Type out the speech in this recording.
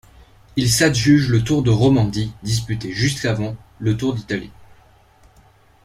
Il s'adjuge le Tour de Romandie, disputé juste avant le Tour d'Italie.